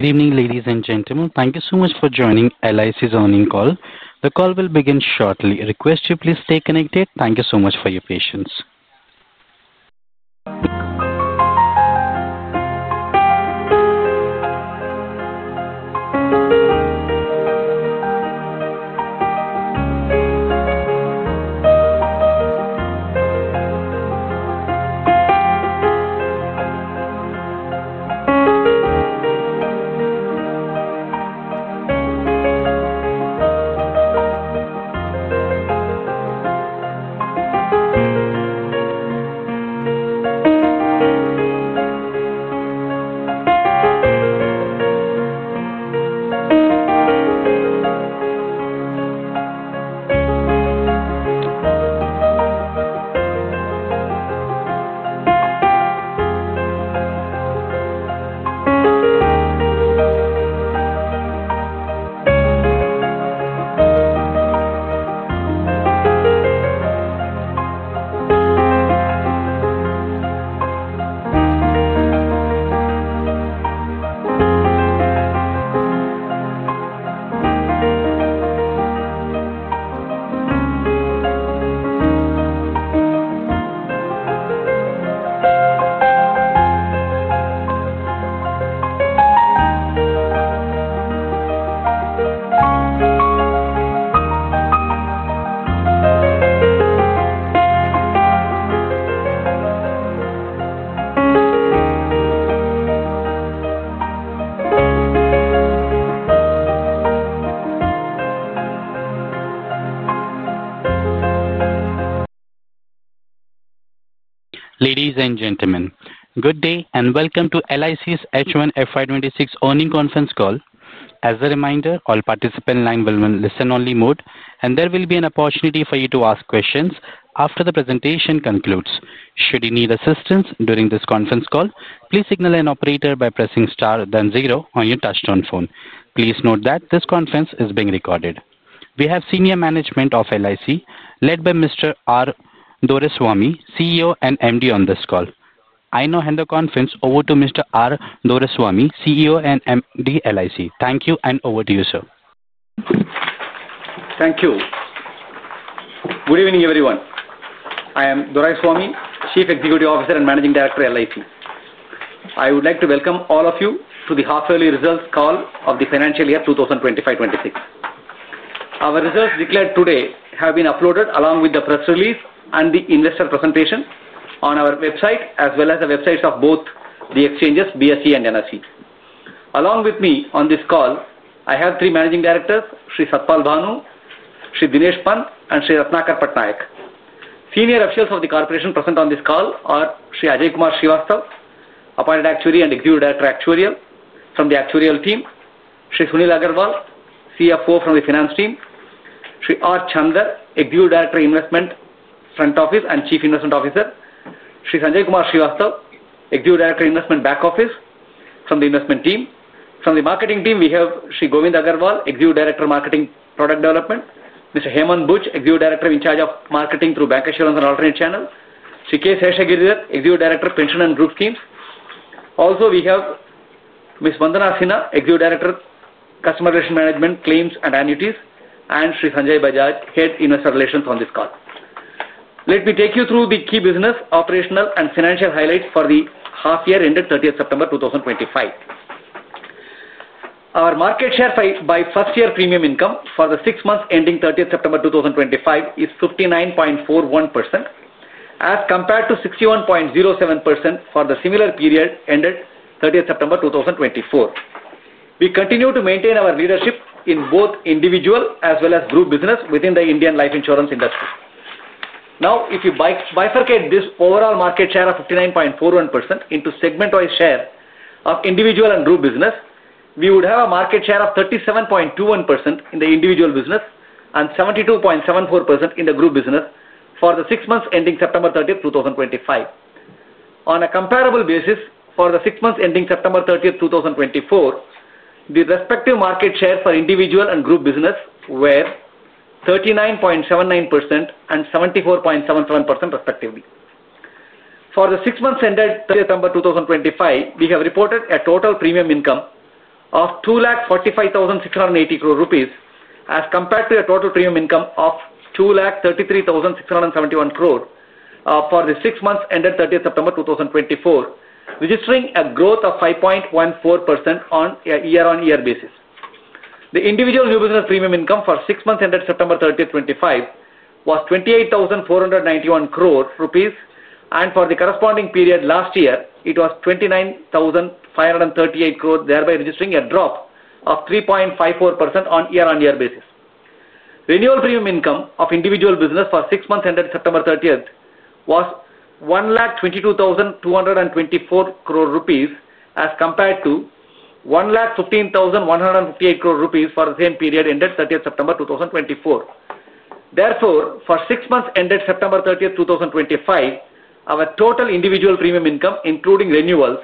Good evening, ladies and gentlemen. Thank you so much for joining LIC's earning call. The call will begin shortly. Request you please stay connected. Thank you so much for your patience. Ladies and gentlemen, good day and welcome to LIC's H1 FY 2026 earning conference call. As a reminder, all participants' line will be in listen-only mode, and there will be an opportunity for you to ask questions after the presentation concludes. Should you need assistance during this conference call, please signal an operator by pressing star then zero on your touch-tone phone. Please note that this conference is being recorded. We have senior management of LIC led by Mr. R. Doraiswamy, CEO and MD on this call. I now hand the conference over to Mr. R. Doraiswamy, CEO and MD LIC. Thank you and over to you, sir. Thank you. Good evening, everyone. I am Doraiswamy, Chief Executive Officer and Managing Director at LIC. I would like to welcome all of you to the half-yearly results call of the financial year 2025-2026. Our results declared today have been uploaded along with the press release and the investor presentation on our website, as well as the websites of both the exchanges, BSE and NSE. Along with me on this call, I have three Managing Directors: Sri Sapal Bhanu, Sri Dinesh Pant, and Sri Ratnakar Patnaik. Senior officials of the corporation present on this call are Sri Ajay Kumar Srivastava, Appointed Actuary and Executive Director Actuarial from the Actuarial team; Sri Sunil Agrawal, CFO from the Finance team; Sri R. Chander, Executive Director Investment Front Office and Chief Investment Officer; Sri Sanjay Kumar Srivastava, Executive Director Investment Back Office from the Investment team. From the marketing team, we have Sri Govind Agarwal, Executive Director Marketing Product Development, Mr. Hemant Buch, Executive Director in charge of marketing through Bancassurance and Alternate Channels, Sri K. Seshagiri, Executive Director Pension and Group Schemes. Also, we have Ms. Vandana Sinha, Executive Director Customer Relations Management, Claims and Annuities, and Sri Sanjay Bajaj, Head Investor Relations on this call. Let me take you through the key business, operational, and financial highlights for the half-year ended 30th September 2025. Our market share by first-year premium income for the six months ending 30th September 2025 is 59.41%, as compared to 61.07% for the similar period ended 30th September 2024. We continue to maintain our leadership in both individual as well as group business within the Indian life insurance industry. Now, if you bifurcate this overall market share of 59.41% into segment-wise share of individual and group business, we would have a market share of 37.21% in the individual business and 72.74% in the group business for the six months ending September 30th, 2025. On a comparable basis, for the six months ending September 30th, 2024, the respective market shares for individual and group business were 39.79% and 74.77%, respectively. For the six months ended September 30th, 2025, we have reported a total premium income of 245,680 crore rupees, as compared to a total premium income of 233,671 crore for the six months ended September 30th, 2024, registering a growth of 5.14% on a year-on-year basis. The individual new business premium income for six months ended September 30th 2025, was 28,491 crore rupees, and for the corresponding period last year, it was 29,538 crore, thereby registering a drop of 3.54% on a year-on-year basis. Renewal premium income of individual business for six months ended September 30th was 1,22,224 crore rupees, as compared to 1,15,158 crore rupees for the same period ended September 30th, 2024. Therefore, for six months ended September 30th, 2025, our total individual premium income, including renewals,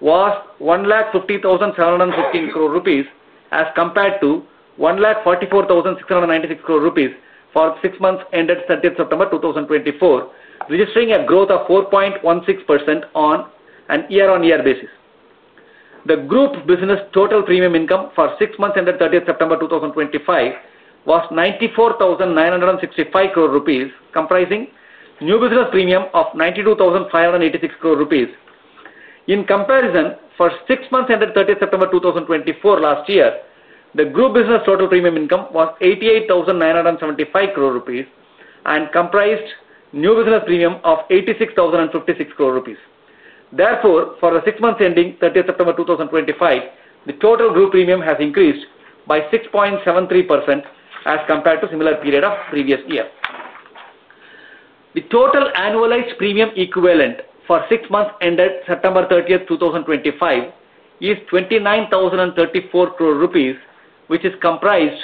was 1,50,715 crore rupees, as compared to 1,44,696 crore rupees for six months ended September 30th, 2024, registering a growth of 4.16% on a year-on-year basis. The group business total premium income for six months ended September 30th, 2025, was 94,965 crore rupees, comprising new business premium of 92,586 crore rupees. In comparison, for six months ended 30th September 2024 last year, the group business total premium income was 88,975 crore rupees and comprised new business premium of 86,056 crore rupees. Therefore, for the six months ending 30th September 2025, the total group premium has increased by 6.73% as compared to the similar period of the previous year. The total annualized premium equivalent for six months ended September 30th, 2025, is 29,034 crore rupees, which is comprised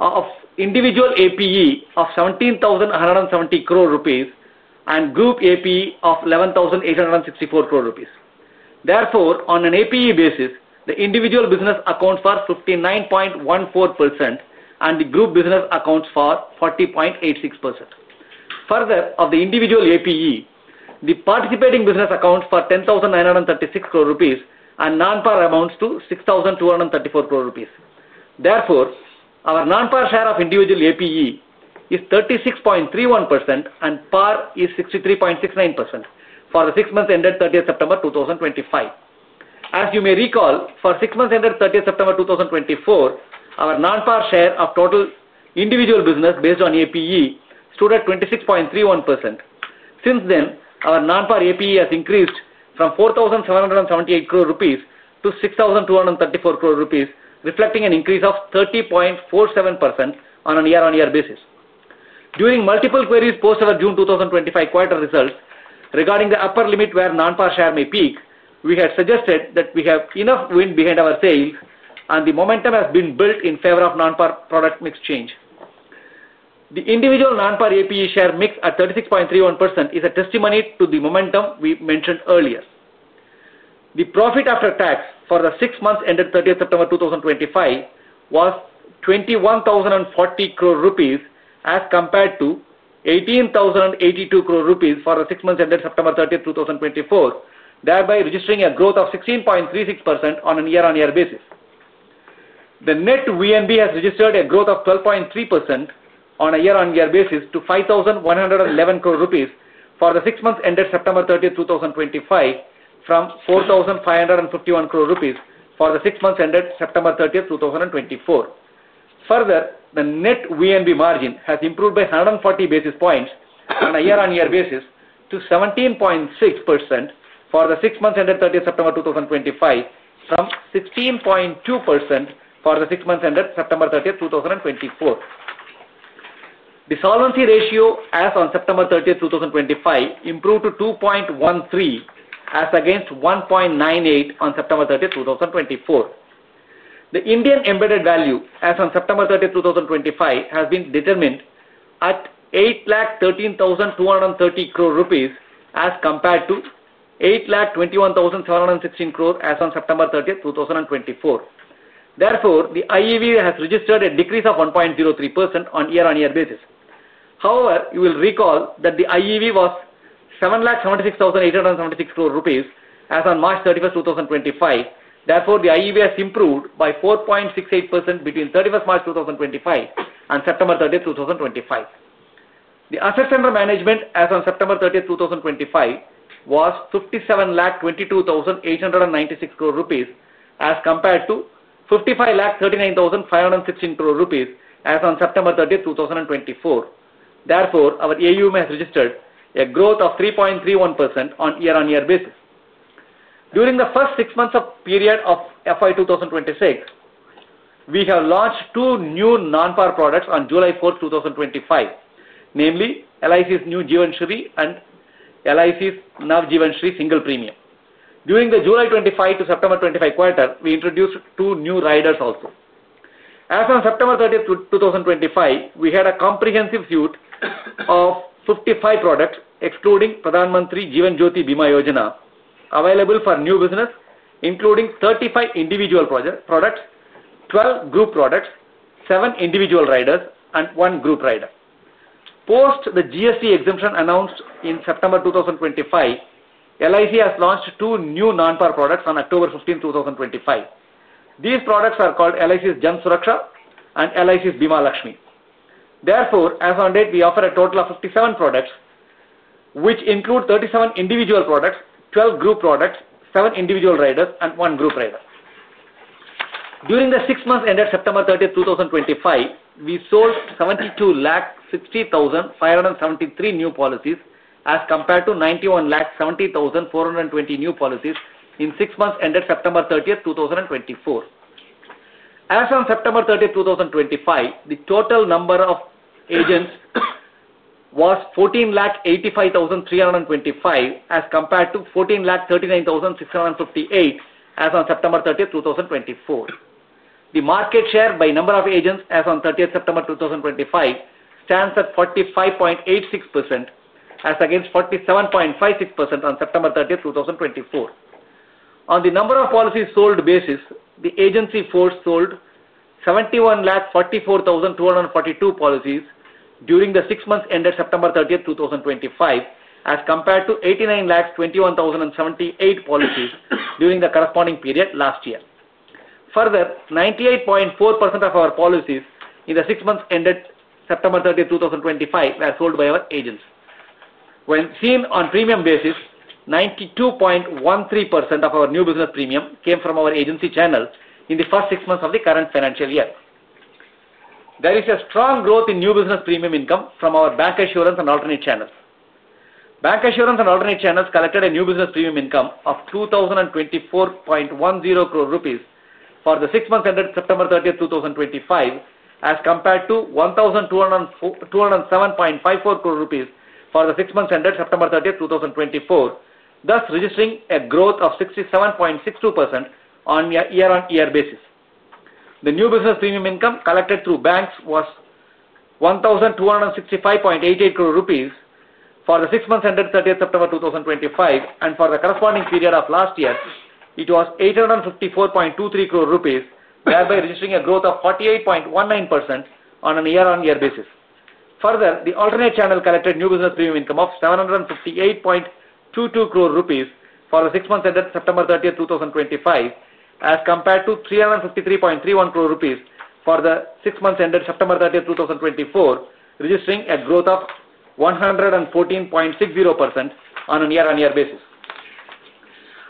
of individual APE of 17,170 crore rupees and group APE of 11,864 crore rupees. Therefore, on an APE basis, the individual business accounts for 59.14% and the group business accounts for 40.86%. Further, of the individual APE, the participating business accounts for 10,936 crore rupees and non-PAR amounts to 6,234 crore rupees. Therefore, our non-PAR share of individual APE is 36.31% and PAR is 63.69% for the six months ended 30th September 2025. As you may recall, for six months ended 30th September 2024, our non-PAR share of total individual business based on APE stood at 26.31%. Since then, our non-PAR APE has increased from 4,778 crore rupees to 6,234 crore rupees, reflecting an increase of 30.47% on a year-on-year basis. During multiple queries post our June 2025 quarter results regarding the upper limit where non-PAR share may peak, we had suggested that we have enough wind behind our sails, and the momentum has been built in favor of non-PAR product mix change. The individual non-PAR APE share mix at 36.31% is a testimony to the momentum we mentioned earlier. The profit after tax for the six months ended 30th September 2025 was 21,040 crore rupees, as compared to 18,082 crore rupees for the six months ended 30th September 2024, thereby registering a growth of 16.36% on a year-on-year basis. The net VNB has registered a growth of 12.3% on a year-on-year basis to 5,111 crore rupees for the six months ended September 30th, 2025, from 4,551 crore rupees for the six months ended September 30th, 2024. Further, the net VNB margin has improved by 140 basis points on a year-on-year basis to 17.6% for the six months ended September 30th, 2025, from 16.2% for the six months ended September 30th, 2024. The solvency ratio, as on September 30th, 2025, improved to 2.13, as against 1.98 on September 30th, 2024. The Indian embedded value, as on September 30th, 2025, has been determined at 813,230 crore rupees, as compared to 821,716 crore, as on September 30th, 2024. Therefore, the IEV has registered a decrease of 1.03% on a year-on-year basis. However, you will recall that the IEV was 776,876 crore rupees, as on March 31st, 2025. Therefore, the IEV has improved by 4.68% between 31st March 2025 and September 30th, 2025. The asset under management, as on September 30th, 2025, was INR 5,722,896 crore, as compared to INR 5,539,516 crore, as on September 30th, 2024. Therefore, our AUM has registered a growth of 3.31% on a year-on-year basis. During the first six months of the period of FY 2026, we have launched two new non-PAR products on July 4th, 2025, namely LIC's new Jeevan Shree and LIC's Nav Jeevan Shree Single Premium. During the July 25th to September 25th quarter, we introduced two new riders also. As of September 30th, 2025, we had a comprehensive suite of 55 products, excluding Pradhan Mantri Jeevan Jyoti Bima Yojana, available for new business, including 35 individual products, 12 group products, seven individual riders, and one group rider. Post the GST exemption announced in September 2025, LIC has launched two new non-PAR products on October 15th, 2025. These products are called LIC's Jan Suraksha and LIC's Bima Lakshmi. Therefore, as of date, we offer a total of 57 products, which include 37 individual products, 12 group products, seven individual riders, and one group rider. During the six months ended September 30th, 2025, we sold 7,260,573 new policies, as compared to 9,170,420 new policies in six months ended September 30th, 2024. As of September 30th, 2025, the total number of agents was 1,485,325, as compared to 1,439,658 as of September 30th, 2024. The market share by number of agents, as of September 30th, 2025, stands at 45.86%, as against 47.56% on September 30th, 2024. On the number of policies sold basis, the agency force sold 7,144,242 policies during the six months ended September 30, 2025, as compared to 8,921,078 policies during the corresponding period last year. Further, 98.4% of our policies in the six months ended September 30th, 2025, were sold by our agents. When seen on premium basis, 92.13% of our new business premium came from our agency channels in the first six months of the current financial year. There is a strong growth in new business premium income from our Bancassurance and Alternate Channels. Bancassurance and Alternate Channels collected a new business premium income of 2,024.10 crore rupees for the six months ended September 30th, 2025, as compared to 1,207.54 crore rupees for the six months ended September 30th, 2024, thus registering a growth of 67.62% on a year-on-year basis. The new business premium income collected through banks was. 1,265.88 crore rupees for the six months ended 30th September 2025, and for the corresponding period of last year, it was 854.23 crore rupees, thereby registering a growth of 48.19% on a year-on-year basis. Further, the alternate channel collected new business premium income of 758.22 crore rupees for the six months ended September 30th, 2025, as compared to 353.31 crore rupees for the six months ended September 30th, 2024, registering a growth of 114.60% on a year-on-year basis.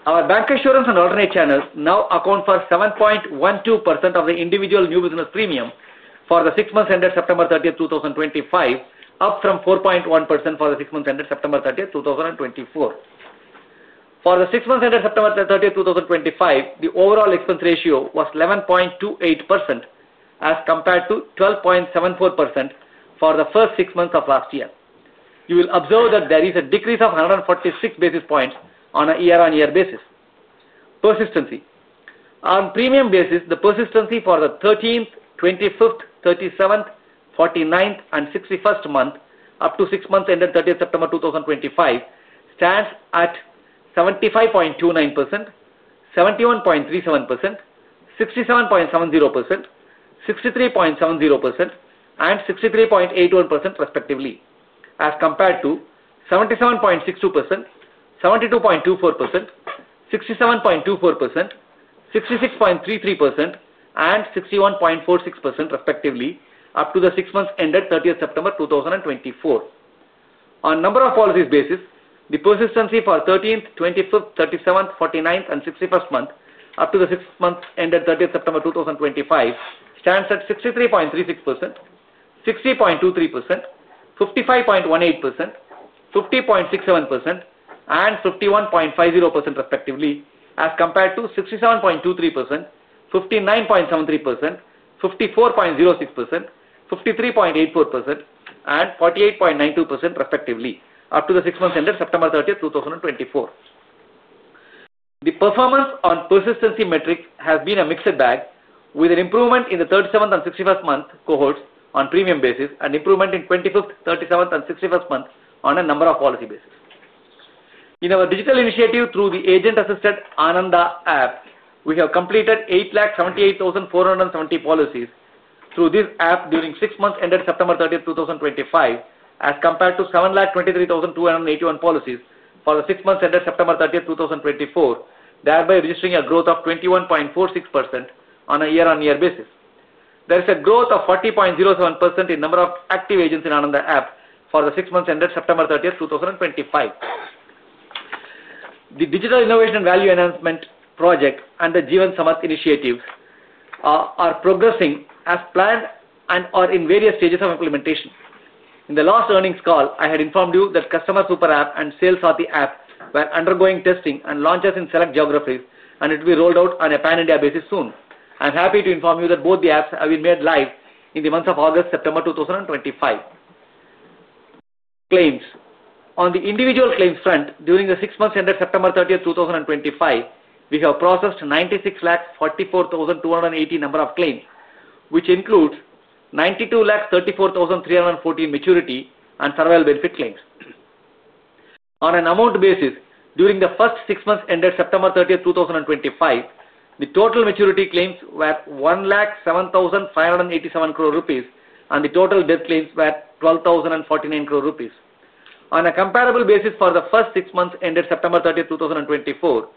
Our Bancassurance and Alternate Channels now account for 7.12% of the individual new business premium for the six months ended September 30th, 2025, up from 4.1% for the six months ended September 30th, 2024. For the six months ended September 30th, 2025, the overall expense ratio was 11.28%, as compared to 12.74% for the first six months of last year. You will observe that there is a decrease of 146 basis points on a year-on-year basis. Persistency. On premium basis, the persistency for the 13th, 25th, 37th, 49th, and 61st month up to six months ended 30th September 2025 stands at 75.29%, 71.37%, 67.70%, 63.70%, and 63.81%, respectively, as compared to 77.62%, 72.24%, 67.24%, 66.33%, and 61.46%, respectively, up to the six months ended 30th September 2024. On number of policies basis, the persistency for 13th, 25th, 37th, 49th, and 61st month up to the six months ended 30th September 2025 stands at 63.36%, 60.23%, 55.18%, 50.67%, and 51.50%, respectively, as compared to 67.23%, 59.73%, 54.06%, 53.84%, and 48.92%, respectively, up to the six months ended 30th September 2024. The performance on persistency metrics has been a mixed bag, with an improvement in the 37th and 61st month cohorts on premium basis and improvement in 25th, 37th, and 61st months on a number of policy basis. In our digital initiative through the Agent-Assisted Ananda app, we have completed 878,470 policies through this app during six months ended September 30th, 2025, as compared to 723,281 policies for the six months ended September 30th, 2024, thereby registering a growth of 21.46% on a year-on-year basis. There is a growth of 40.07% in number of active agents in Ananda app for the six months ended September 30th, 2025. The Digital Innovation Value Enhancement Project and the Jeevan Samarth initiatives are progressing as planned and are in various stages of implementation. In the last earnings call, I had informed you that Customer Super App and Sales Saati App were undergoing testing and launches in select geographies, and it will be rolled out on a pan-India basis soon. I'm happy to inform you that both the apps have been made live in the months of August, September 2025. Claims. On the individual claims front, during the six months ended September 30th, 2025, we have processed 9,644,280 number of claims, which includes 9,234,314 maturity and survival benefit claims. On an amount basis, during the first six months ended September 30th, 2025, the total maturity claims were 107,587 crore rupees, and the total death claims were 12,049 crore rupees. On a comparable basis for the first six months ended September 30th, 2024,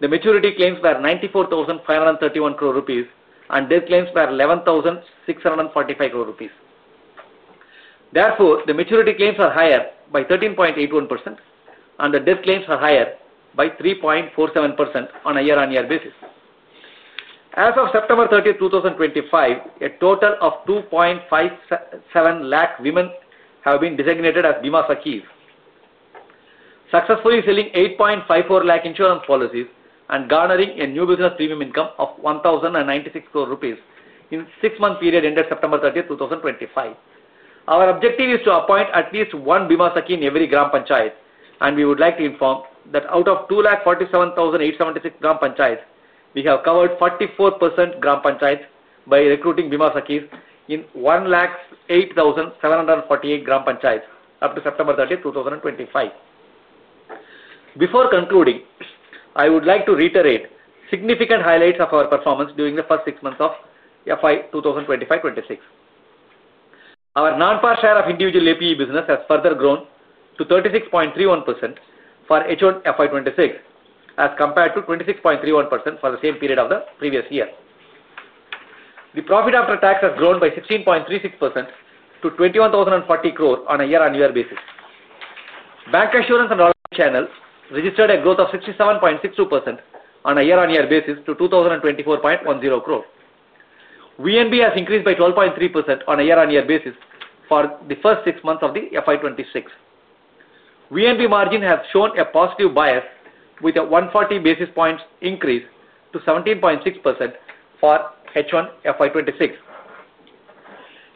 the maturity claims were 94,531 crore rupees, and death claims were 11,645 crore rupees. Therefore, the maturity claims are higher by 13.81%, and the death claims are higher by 3.47% on a year-on-year basis. As of September 30th, 2025, a total of 2.57 lakh women have been designated as Bima Sakhis. Successfully selling 8.54 lakh insurance policies and garnering a new business premium income of 1,096 crore rupees in the six-month period ended September 30th, 2025. Our objective is to appoint at least one Bima Sakhi in every Gram Panchayat, and we would like to inform that out of 2,47,876 Gram Panchayats, we have covered 44% Gram Panchayats by recruiting Bima Sakhis in 1,08,748 Gram Panchayats up to September 30th, 2025. Before concluding, I would like to reiterate significant highlights of our performance during the first six months of FY 2025-2026. Our non-PAR share of individual APE business has further grown to 36.31% for H1 FY 2026, as compared to 26.31% for the same period of the previous year. The profit after tax has grown by 16.36% to 21,040 crore on a year-on-year basis. Bancassurance and Alternate Channels registered a growth of 67.62% on a year-on-year basis to 2,024.10 crore. VNB has increased by 12.3% on a year-on-year basis for the first six months of FY 2026. VNB margin has shown a positive bias, with a 140 basis points increase to 17.6% for H1 FY 2026.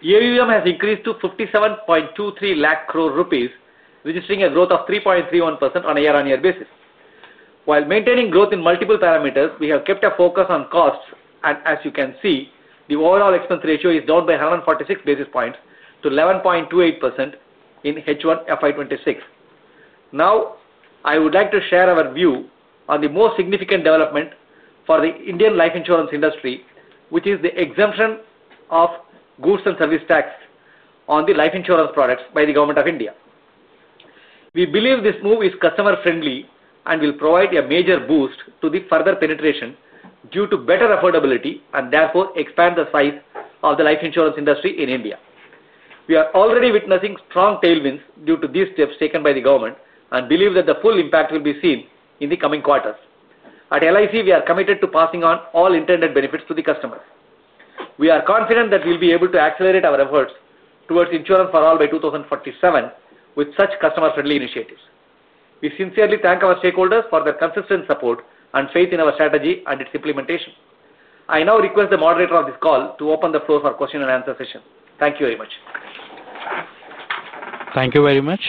AUM has increased to 57,22,896 crore rupees, registering a growth of 3.31% on a year-on-year basis. While maintaining growth in multiple parameters, we have kept a focus on costs, and as you can see, the overall expense ratio is down by 146 basis points to 11.28% in H1 FY 2026. Now, I would like to share our view on the most significant development for the Indian life insurance industry, which is the exemption of Goods and Services Tax on the life insurance products by the Government of India. We believe this move is customer-friendly and will provide a major boost to the further penetration due to better affordability and therefore expand the size of the life insurance industry in India. We are already witnessing strong tailwinds due to these steps taken by the government and believe that the full impact will be seen in the coming quarters. At LIC, we are committed to passing on all intended benefits to the customers. We are confident that we'll be able to accelerate our efforts towards insurance for all by 2047 with such customer-friendly initiatives. We sincerely thank our stakeholders for their consistent support and faith in our strategy and its implementation. I now request the moderator of this call to open the floor for question and answer session. Thank you very much. Thank you very much.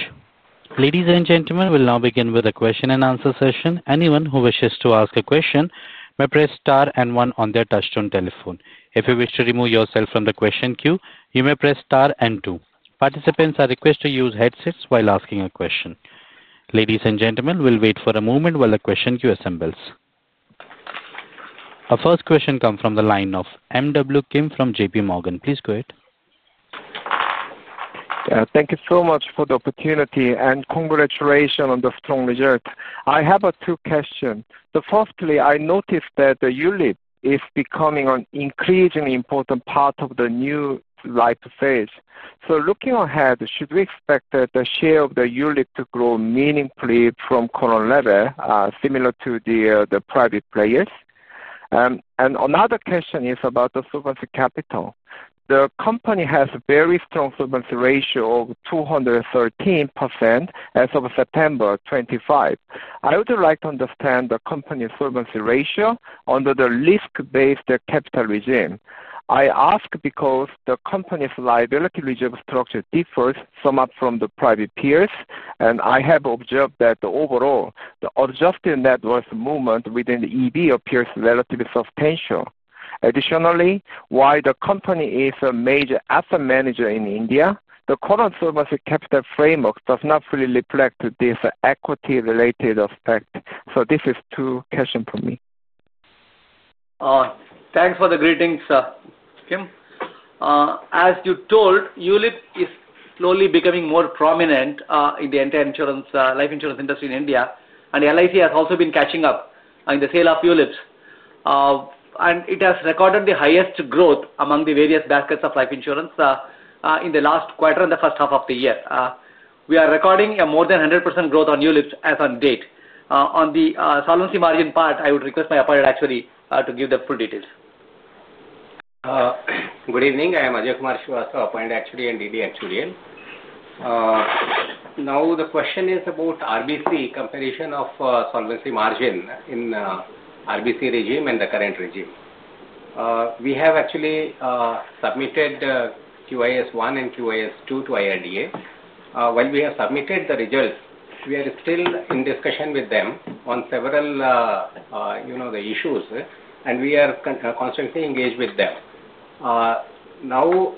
Ladies and gentlemen, we'll now begin with the question and answer session. Anyone who wishes to ask a question may press star and one on their touchstone telephone. If you wish to remove yourself from the question queue, you may press star and two. Participants are requested to use headsets while asking a question. Ladies and gentlemen, we'll wait for a moment while the question queue assembles. A first question comes from the line of MW Kim from JPMorgan. Please go ahead. Thank you so much for the opportunity and congratulations on the strong result. I have two questions. Firstly, I noticed that the ULIP is becoming an increasingly important part of the new life phase. Looking ahead, should we expect that the share of the ULIP to grow meaningfully from current level, similar to the private players? Another question is about the solvency capital. The company has a very strong solvency ratio of 2.13% as of September 2025. I would like to understand the company's solvency ratio under the risk-based capital regime. I ask because the company's liability reserve structure differs somewhat from the private peers, and I have observed that overall, the adjusted net worth movement within the EV appears relatively substantial. Additionally, while the company is a major asset manager in India, the current solvency capital framework does not fully reflect this equity-related aspect. These are two questions from me. Thanks for the greetings, Kim. As you told, ULIP is slowly becoming more prominent in the entire life insurance industry in India, and LIC has also been catching up in the sale of ULIPs. It has recorded the highest growth among the various baskets of life insurance in the last quarter and the first half of the year. We are recording more than 100% growth on ULIPs as of date. On the solvency margin part, I would request my Appointed Actuary to give the full details. Good evening. I am Ajay Kumar Srivastava, Appointed Actuary and Executive Director Actuarial. Now, the question is about RBC comparison of solvency margin in RBC regime and the current regime. We have actually submitted QIS-1 and QIS-2 to IRDAI. While we have submitted the results, we are still in discussion with them on several issues, and we are constantly engaged with them now.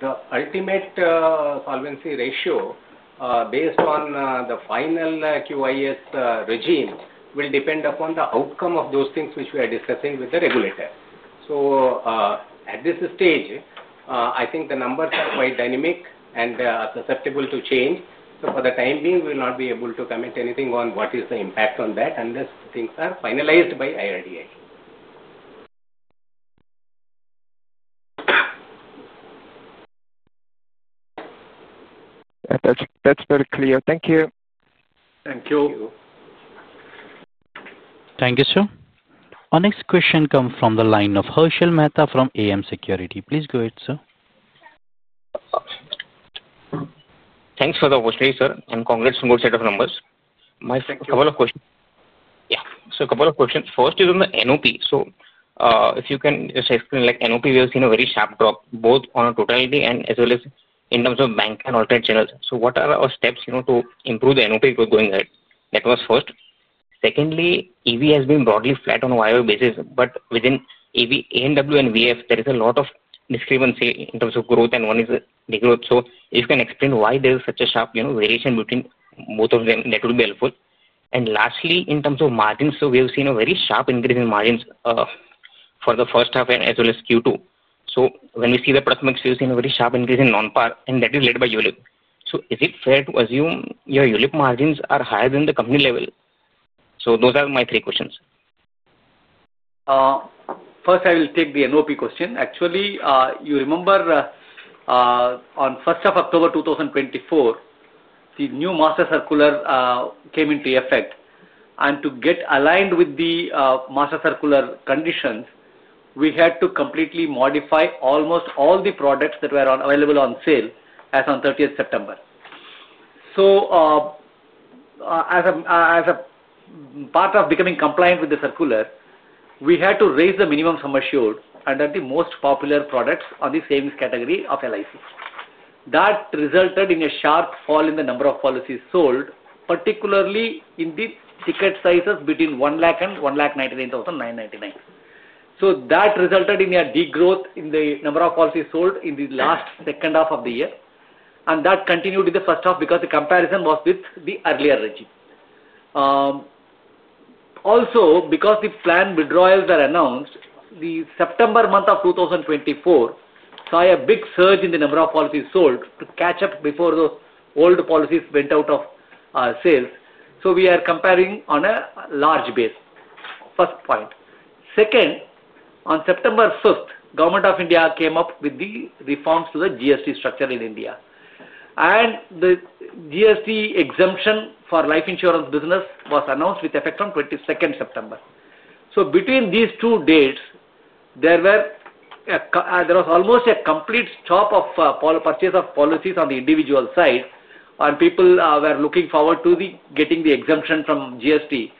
The ultimate solvency ratio based on the final QIS regime will depend upon the outcome of those things which we are discussing with the regulator. At this stage, I think the numbers are quite dynamic and susceptible to change. For the time being, we will not be able to comment anything on what is the impact on that unless things are finalized by IRDAI. That's very clear. Thank you. Thank you. Thank you, sir. Our next question comes from the line of Harshal Mehta from AM Securities. Please go ahead, sir. Thanks for the question, sir. And congrats on both sets of numbers. My couple of questions. Yeah. So a couple of questions. First is on the NOP. If you can say, like NOP, we have seen a very sharp drop both on totality and as well as in terms of bank and alternate channels. So what are our steps to improve the NOP going ahead? That was first. Secondly, EV has been broadly flat on a wide basis, but within EV, ANW, and VF, there is a lot of discrepancy in terms of growth and one is the growth. If you can explain why there is such a sharp variation between both of them, that would be helpful. Lastly, in terms of margins, we have seen a very sharp increase in margins for the first half and as well as Q2. When we see the product mix, we have seen a very sharp increase in non-PAR, and that is led by ULIP. Is it fair to assume your ULIP margins are higher than the company level? Those are my three questions. First, I will take the NOP question. Actually, you remember. On 1st of October 2024. The new master circular came into effect. To get aligned with the master circular conditions, we had to completely modify almost all the products that were available on sale as of 30 September. As a part of becoming compliant with the circular, we had to raise the minimum sum assured under the most popular products in the savings category of LIC. That resulted in a sharp fall in the number of policies sold, particularly in the ticket sizes between 100,000 and 199,999. That resulted in a degrowth in the number of policies sold in the last second half of the year. That continued in the first half because the comparison was with the earlier regime. Also, because the planned withdrawals were announced, the September month of 2024 saw a big surge in the number of policies sold to catch up before the old policies went out of sales. We are comparing on a large base. First point. Second, on September 5th, Government of India came up with the reforms to the GST structure in India. The GST exemption for life insurance business was announced with effect on 22nd September. Between these two dates, there was almost a complete stop of purchase of policies on the individual side, and people were looking forward to getting the exemption from GST.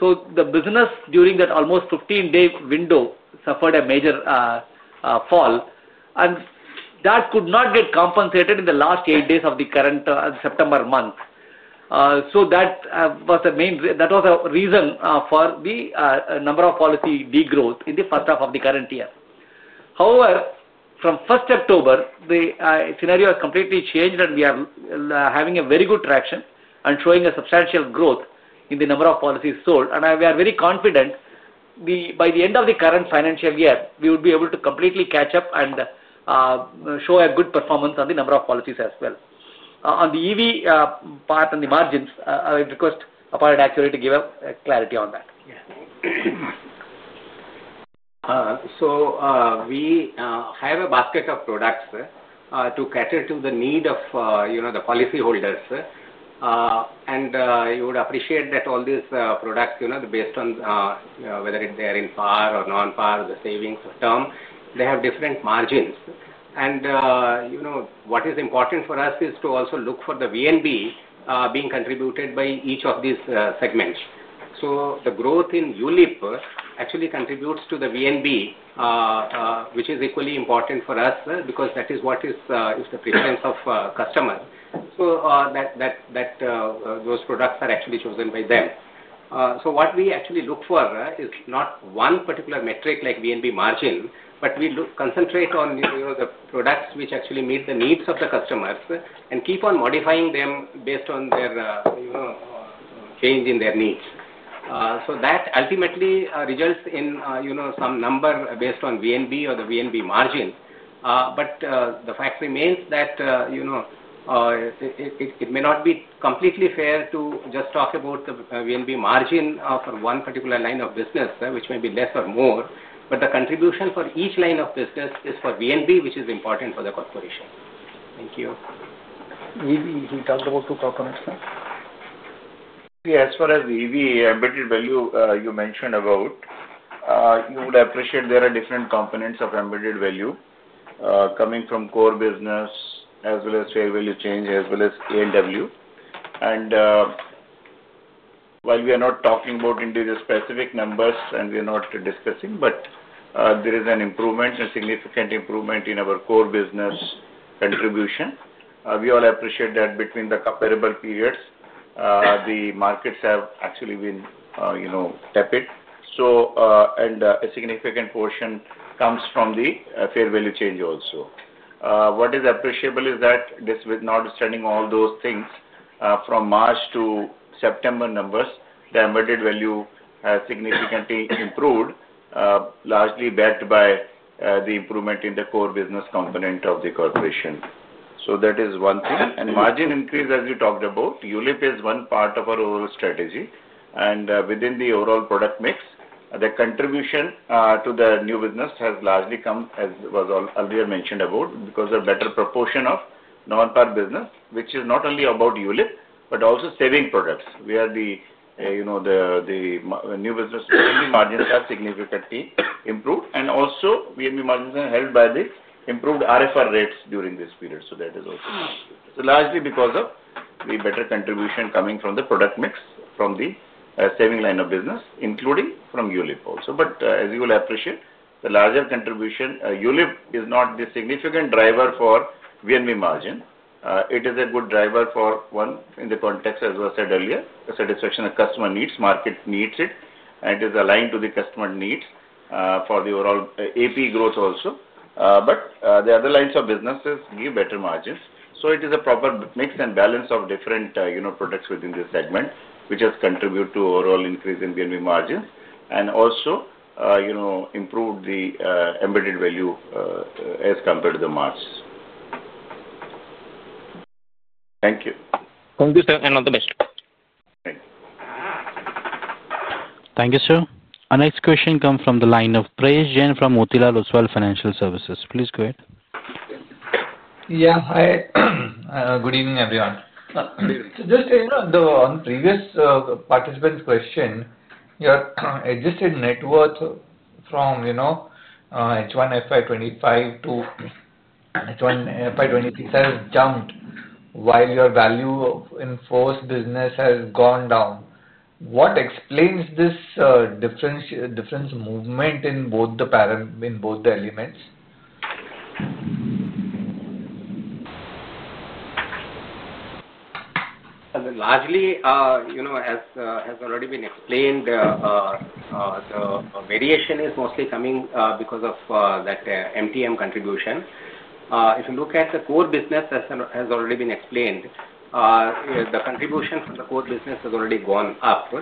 The business during that almost 15-day window suffered a major fall, and that could not get compensated in the last eight days of the current September month. That was the main reason for the number of policy degrowth in the first half of the current year. However, from 1st October, the scenario has completely changed, and we are having very good traction and showing substantial growth in the number of policies sold. We are very confident. By the end of the current financial year, we would be able to completely catch up and show a good performance on the number of policies as well. On the EV part and the margins, I would request Appointed Actuary to give clarity on that. Yeah. We have a basket of products to cater to the need of the policyholders. You would appreciate that all these products, based on whether they are in PAR or non-PAR, the savings term, they have different margins. What is important for us is to also look for the VNB being contributed by each of these segments. The growth in ULIP actually contributes to the VNB, which is equally important for us because that is what is the preference of customers. Those products are actually chosen by them. What we actually look for is not one particular metric like VNB margin, but we concentrate on the products which actually meet the needs of the customers and keep on modifying them based on their change in their needs. That ultimately results in some number based on VNB or the VNB margin. The fact remains that. It may not be completely fair to just talk about the VNB margin for one particular line of business, which may be less or more, but the contribution for each line of business is for VNB, which is important for the corporation. Thank you. You talked about two components, sir? Yeah. As far as EV, embedded value, you mentioned about. You would appreciate there are different components of embedded value, coming from core business as well as fair value change as well as ANW. While we are not talking about individual specific numbers and we are not discussing, but there is an improvement, a significant improvement in our core business contribution. We all appreciate that between the comparable periods. The markets have actually been tepid, and a significant portion comes from the fair value change also. What is appreciable is that this, with not understanding all those things, from March to September numbers, the embedded value has significantly improved. Largely backed by the improvement in the core business component of the corporation. That is one thing. Margin increase, as we talked about, ULIP is one part of our overall strategy. Within the overall product mix, the contribution to the new business has largely come, as was earlier mentioned about, because of a better proportion of non-PAR business, which is not only about ULIP, but also saving products. Where the new business margins have significantly improved. Also, VNB margins are held by the improved RFR rates during this period. That is also largely because of the better contribution coming from the product mix, from the saving line of business, including from ULIP also. But as you will appreciate, the larger contribution, ULIP is not the significant driver for VNB margin. It is a good driver for one, in the context, as was said earlier, the satisfaction the customer needs. Market needs it, and it is aligned to the customer needs for the overall AP growth also. The other lines of businesses give better margins. It is a proper mix and balance of different products within this segment, which has contributed to overall increase in VNB margins and also improved the embedded value as compared to the margins. Thank you. Thank you, sir. And all the best. Thank you. Thank you, sir. Our next question comes from the line of Prayesh Jain from Motilal Oswal Financial Services. Please go ahead. Yeah. Hi. Good evening, everyone. Good evening. Just on the previous participant's question, your adjusted net worth from H1 FY 2025 to. H1 FY 2026 has jumped while your value in force business has gone down. What explains this difference movement in both the elements? Largely, as has already been explained, the variation is mostly coming because of that MTM contribution. If you look at the core business, as has already been explained, the contribution from the core business has already gone up.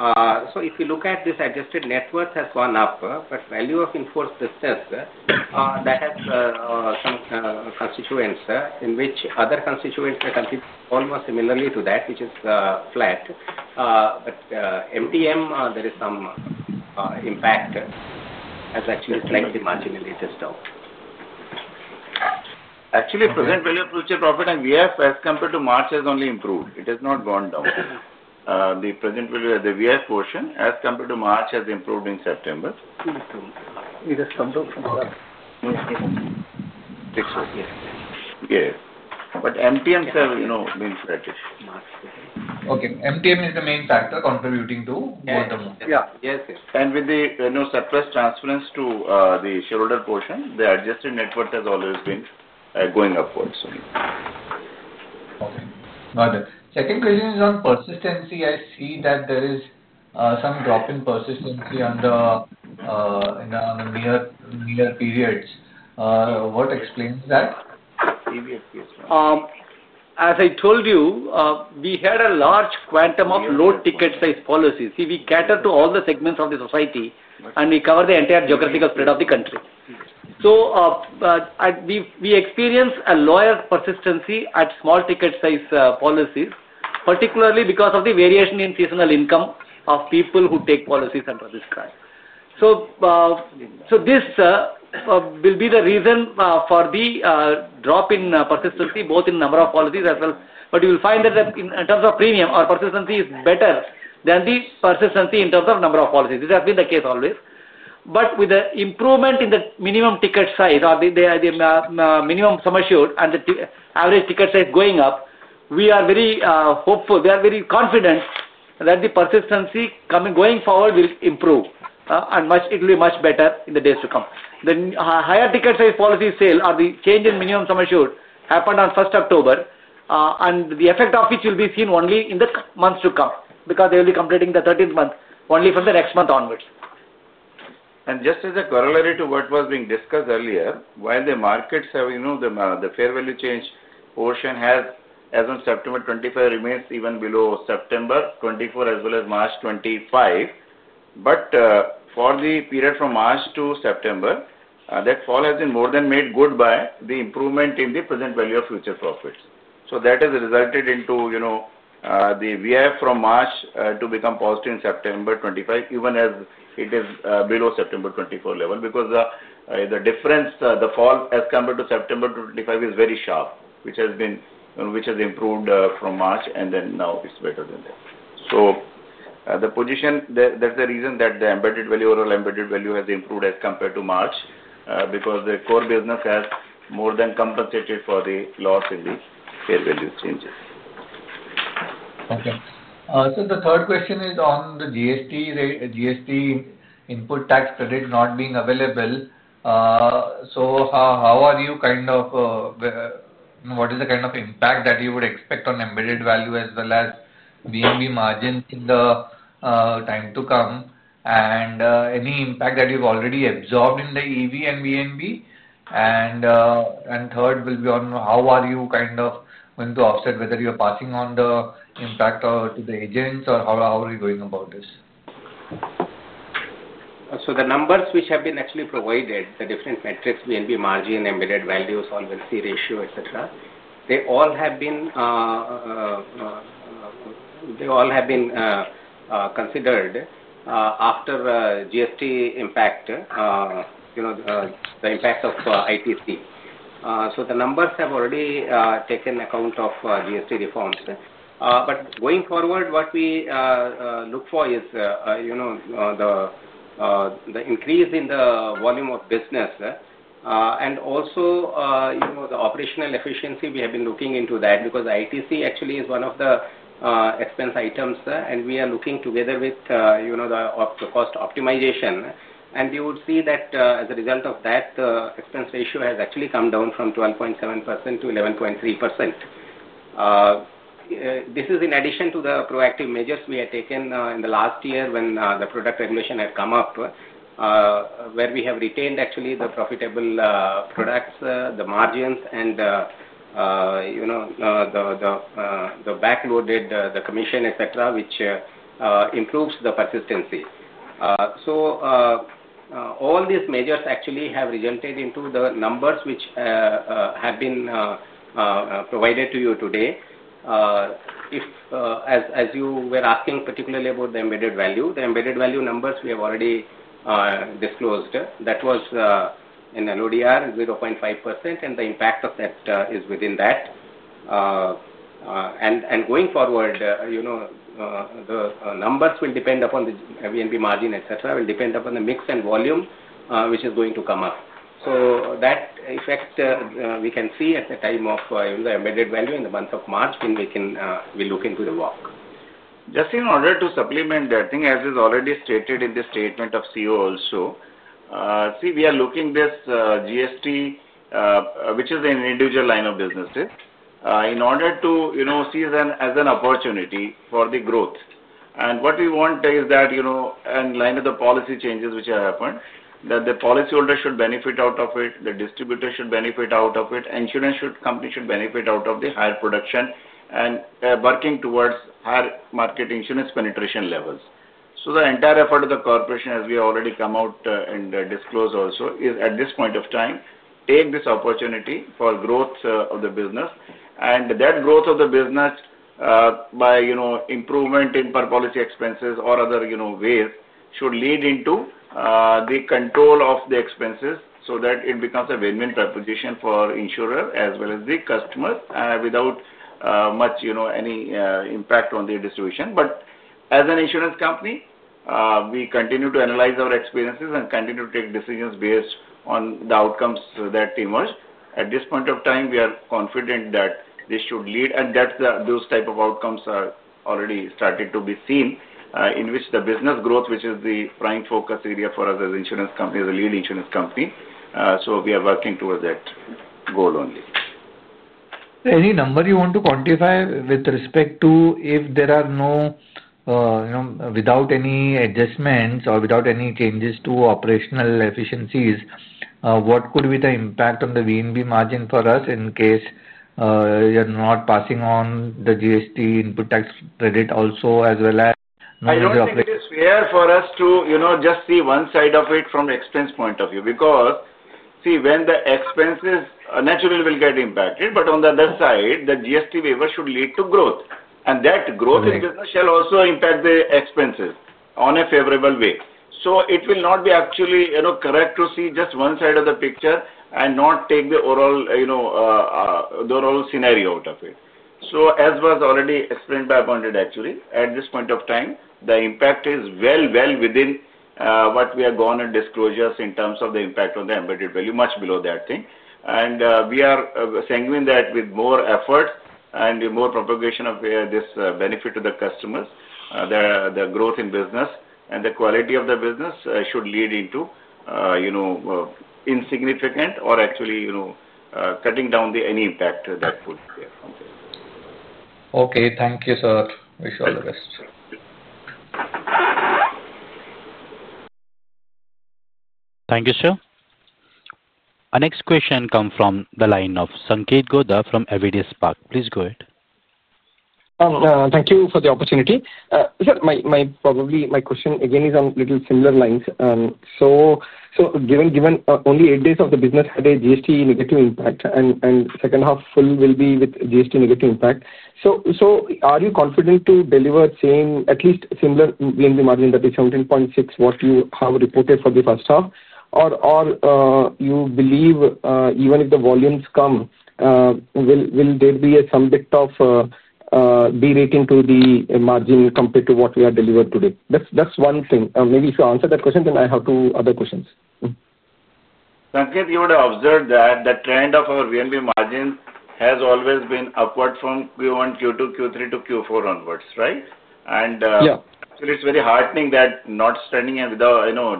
If you look at this adjusted net worth, it has gone up, but value of in force business, that has some constituents in which other constituents are contributing almost similarly to that, which is flat. MTM, there is some impact, has actually slightly marginally touched down. Actually, present value of future profit and VF, as compared to March, has only improved. It has not gone down. The present value of the VF portion, as compared to March, has improved in September. It has come down from six. Yes. Yes. MTMs have been flattish. Okay. MTM is the main factor contributing to both the movement. Yeah. Yes, yes. With the surplus transference to the shareholder portion, the adjusted net worth has always been going upwards. Okay. Got it. Second question is on persistency. I see that there is some drop in persistency in the near periods. What explains that? As I told you, we had a large quantum of low ticket size policies. See, we cater to all the segments of the society, and we cover the entire geographical spread of the country. We experience a lower persistency at small ticket size policies, particularly because of the variation in seasonal income of people who take policies under this card. This will be the reason for the drop in persistency, both in number of policies as well. You will find that in terms of premium, our persistency is better than the persistency in terms of number of policies. This has been the case always. With the improvement in the minimum ticket size, or the minimum sum assured, and the average ticket size going up, we are very hopeful. We are very confident that the persistency going forward will improve, and it will be much better in the days to come. The higher ticket size policy sale, or the change in minimum sum assured, happened on 1st October, and the effect of which will be seen only in the months to come because they will be completing the 13th month only from the next month onwards. Just as a corollary to what was being discussed earlier, while the markets. The fair value change portion has, as of September 2025, remains even below September 2024 as well as March 2025. For the period from March to September, that fall has been more than made good by the improvement in the present value of future profits. That has resulted into the VF from March to become positive in September 2025, even as it is below September 2024 level because the difference, the fall as compared to September 2025, is very sharp, which has improved from March, and now it is better than that. That is the reason that the embedded value, overall embedded value, has improved as compared to March because the core business has more than compensated for the loss in the fair value changes. Okay. The third question is on the GST. Input tax credit not being available. How are you kind of. What is the kind of impact that you would expect on embedded value as well as VNB margin in the time to come? Any impact that you've already absorbed in the EV and VNB? Third will be on how are you kind of going to offset whether you're passing on the impact to the agents or how are you going about this? The numbers which have been actually provided, the different metrics, VNB margin, embedded value, solvency ratio, etc., they all have been considered after GST impact. The impact of ITC. The numbers have already taken account of GST reforms. Going forward, what we look for is the increase in the volume of business and also the operational efficiency. We have been looking into that because ITC actually is one of the expense items, and we are looking together with the cost optimization. You would see that as a result of that, the expense ratio has actually come down from 12.7% to 11.3%. This is in addition to the proactive measures we had taken in the last year when the product regulation had come up. Where we have retained actually the profitable products, the margins, and backloaded the commission, etc., which improves the persistency. All these measures actually have resulted into the numbers which have been provided to you today. As you were asking particularly about the embedded value, the embedded value numbers we have already disclosed, that was in LODR, 0.5%, and the impact of that is within that. Going forward, the numbers will depend upon the VNB margin, etc., and will depend upon the mix and volume which is going to come up. That effect we can see at the time of the embedded value in the month of March, when we can look into the WOC. Just in order to supplement that thing, as is already stated in the statement of CEO also. See, we are looking at this GST, which is an individual line of businesses, in order to see as an opportunity for the growth. What we want is that, in line with the policy changes which have happened, the policyholder should benefit out of it, the distributor should benefit out of it, the insurance company should benefit out of the higher production, and working towards higher market insurance penetration levels. The entire effort of the corporation, as we have already come out and disclosed also, is at this point of time, take this opportunity for growth of the business. That growth of the business. By improvement in per policy expenses or other ways, should lead into the control of the expenses so that it becomes a win-win proposition for insurer as well as the customers without much any impact on the distribution. As an insurance company, we continue to analyze our experiences and continue to take decisions based on the outcomes that emerge. At this point of time, we are confident that this should lead, and those types of outcomes are already starting to be seen in which the business growth, which is the prime focus area for us as an insurance company, as a lead insurance company. We are working towards that goal only. Any number you want to quantify with respect to if there are no, without any adjustments or without any changes to operational efficiencies, what could be the impact on the VNB margin for us in case You're not passing on the GST input tax credit also, as well as. It is fair for us to just see one side of it from the expense point of view because, see, when the expenses naturally will get impacted, but on the other side, the GST waiver should lead to growth. That growth in business shall also impact the expenses in a favorable way. It will not be actually correct to see just one side of the picture and not take the overall scenario out of it. As was already explained by Appointed Actuary, at this point of time, the impact is well within what we have gone and disclosed in terms of the impact on the embedded value, much below that thing. We are sanguine that with more effort and more propagation of this benefit to the customers, the growth in business and the quality of the business should lead into insignificant or actually cutting down any impact that could. Okay. Thank you, sir. Wish you all the best. Thank you, sir. Our next question comes from the line of Sankeet Gowda from Everyday Spark. Please go ahead. Thank you for the opportunity. Sir, probably my question again is on little similar lines. Given only eight days of the business had a GST negative impact, and second half full will be with GST negative impact. Are you confident to deliver at least similar VNB margin that is 17.6%, what you have reported for the first half? Or you believe even if the volumes come. Will there be some bit of Derating to the margin compared to what we have delivered today? That is one thing. Maybe if you answer that question, then I have two other questions. Sankeet, you would observe that the trend of our VNB margin has always been upward from Q1, Q2, Q3 to Q4 onwards, right? Actually, it is very heartening that notwithstanding,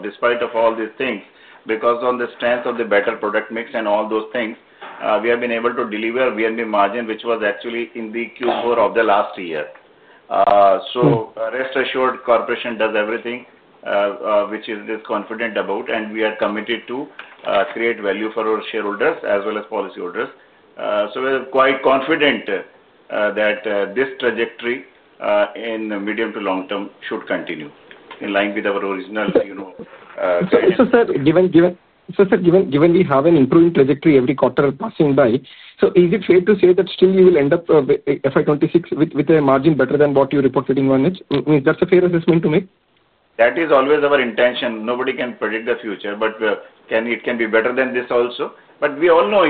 despite all these things, because on the strength of the better product mix and all those things, we have been able to deliver VNB margin, which was actually in the Q4 of the last year. Rest assured, corporation does everything which it is confident about, and we are committed to create value for our shareholders as well as policyholders. We are quite confident that this trajectory in the medium to long term should continue in line with our original. Go ahead. Sir, given we have an improving trajectory every quarter passing by, is it fair to say that still you will end up FY 2026 with a margin better than what you reported in one H? I mean, that's a fair assessment to make? That is always our intention. Nobody can predict the future, but it can be better than this also. We all know,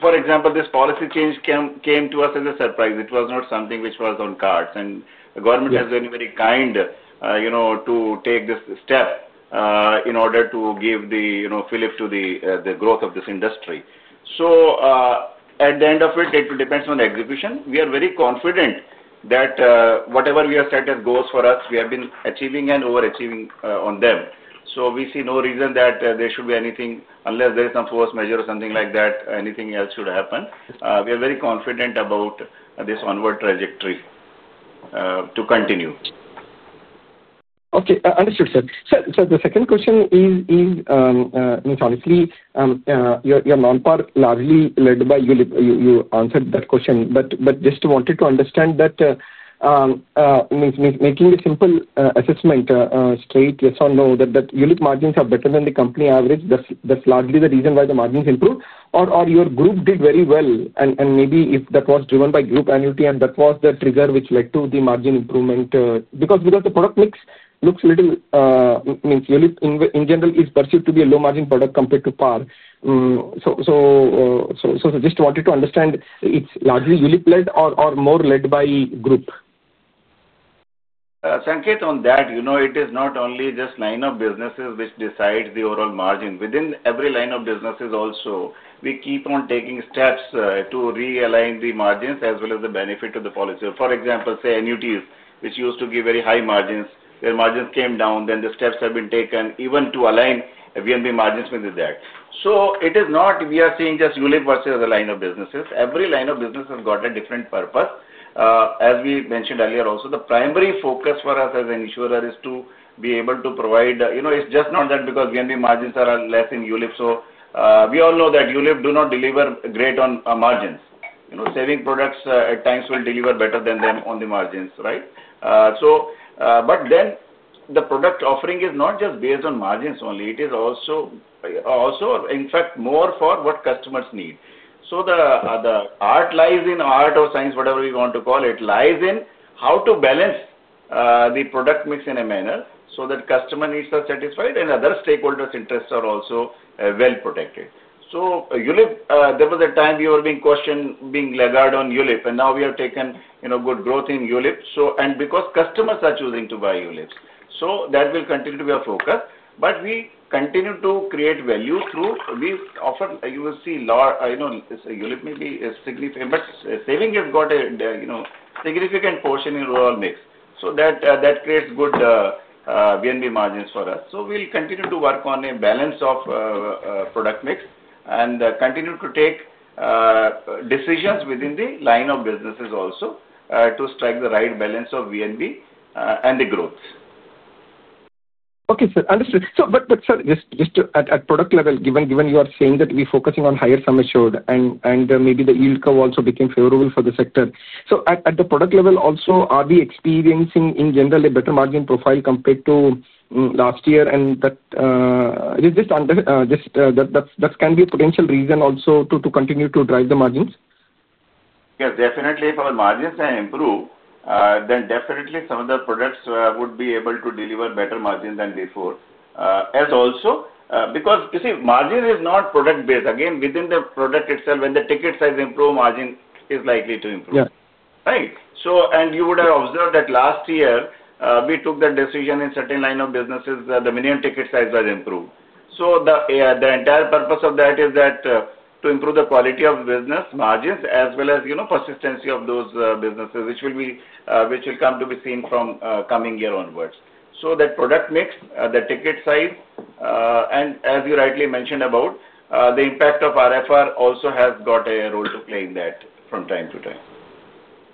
for example, this policy change came to us as a surprise. It was not something which was on cards. The government has been very kind to take this step in order to give the fillip to the growth of this industry. At the end of it, it depends on the execution. We are very confident that whatever we have set as goals for us, we have been achieving and overachieving on them. We see no reason that there should be anything, unless there is some force majeure or something like that, anything else should happen. We are very confident about this onward trajectory to continue. Okay. Understood, sir. Sir, the second question is, honestly, your non-par, largely led by you. You answered that question, but just wanted to understand that. Making a simple assessment straight, yes or no, that, look, margins are better than the company average, that is largely the reason why the margins improved, or your group did very well, and maybe if that was driven by group annuity and that was the trigger which led to the margin improvement because the product mix looks a little, I mean, in general, is perceived to be a low-margin product compared to par. Just wanted to understand, is it largely you led or more led by group? Sankeet, on that, it is not only just line of businesses which decides the overall margin. Within every line of businesses also, we keep on taking steps to realign the margins as well as the benefit to the policy. For example, say annuities, which used to give very high margins, their margins came down, then the steps have been taken even to align VNB margins with that. It is not we are seeing just ULIP versus the line of businesses. Every line of business has got a different purpose. As we mentioned earlier also, the primary focus for us as an insurer is to be able to provide, it's just not that because VNB margins are less in ULIP. We all know that ULIP do not deliver great on margins. Saving products at times will deliver better than them on the margins, right? But then the product offering is not just based on margins only. It is also, in fact, more for what customers need. The art or science, whatever we want to call it, lies in how to balance the product mix in a manner so that customer needs are satisfied and other stakeholders' interests are also well protected. ULIP, there was a time we were being questioned, being laggard on ULIP, and now we have taken good growth in ULIP. Because customers are choosing to buy ULIPs, that will continue to be our focus. We continue to create value through what we offer. You will see ULIP maybe is significant, but saving has got a significant portion in overall mix. That creates good VNB margins for us. We will continue to work on a balance of product mix and continue to take Decisions within the line of businesses also to strike the right balance of VNB and the growth. Okay, sir. Understood. Sir, just at product level, given you are saying that we are focusing on higher sum assured and maybe the yield curve also became favorable for the sector. At the product level also, are we experiencing in general a better margin profile compared to last year? That can be a potential reason also to continue to drive the margins? Yeah, definitely. If our margins can improve, then definitely some of the products would be able to deliver better margins than before. You see, margin is not product-based. Again, within the product itself, when the ticket size improves, margin is likely to improve. You would have observed that last year, we took the decision in certain line of businesses, the minimum ticket size was improved. The entire purpose of that is to improve the quality of business margins as well as persistency of those businesses, which will come to be seen from coming year onwards. That product mix, the ticket size, and as you rightly mentioned about the impact of RFR also has got a role to play in that from time to time.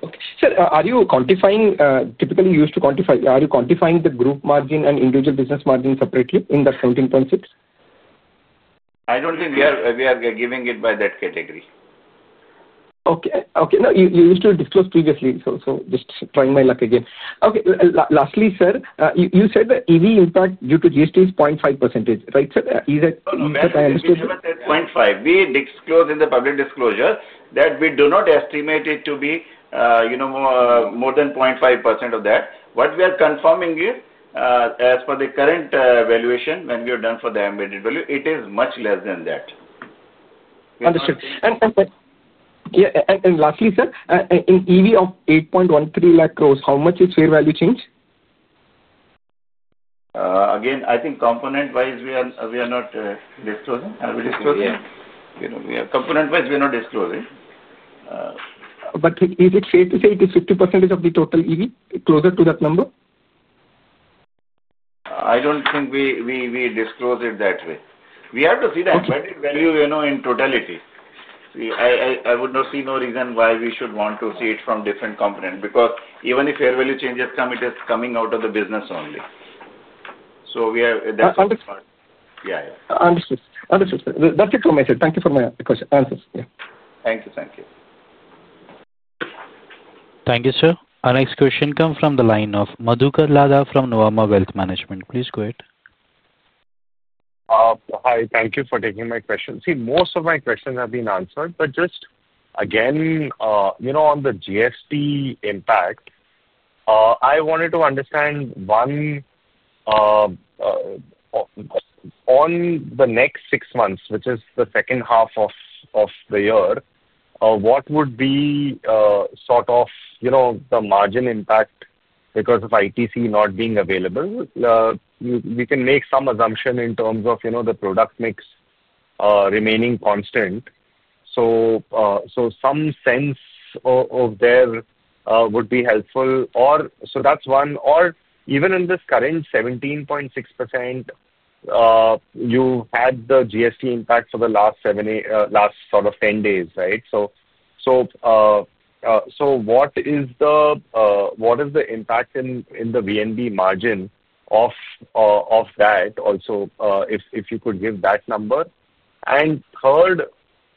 Okay. Sir, are you quantifying, typically used to quantify, are you quantifying the group margin and individual business margin separately in that 17.6%? I do not think we are giving it by that category. Okay. Okay. No, you used to disclose previously, so just trying my luck again. Okay. Lastly, sir, you said that EV impact due to GST is 0.5%, right, sir? Is that, I understood you, 0.5%. We disclose in the public disclosure that we do not estimate it to be more than 0.5% of that. What we are confirming is, as for the current valuation when we are done for the embedded value, it is much less than that. Understood. Lastly, sir, in EV of 813,000 crore, how much is fair value change? Again, I think component-wise, we are not disclosing. We are disclosing. Component-wise, we are not disclosing. Is it fair to say it is 50% of the total EV, closer to that number? I do not think we disclose it that way. We have to see that value in totality. I would not see no reason why we should want to see it from different component because even if fair value changes come, it is coming out of the business only. That is part. Yeah, yeah. Understood. Understood, sir. That is it from my side. Thank you for my answers. Yeah. Thank you. Thank you. Thank you, sir. Our next question comes from the line of Madhukar Lada from Nuvama Wealth Management. Please go ahead. Hi. Thank you for taking my question. See, most of my questions have been answered, but just again. On the GST impact, I wanted to understand. One, on the next six months, which is the second half of the year, what would be sort of the margin impact because of ITC not being available? We can make some assumption in terms of the product mix remaining constant. Some sense of there would be helpful. That is one. Even in this current 17.6%, you had the GST impact for the last sort of 10 days, right? What is the impact in the VNB margin of that also, if you could give that number? Third,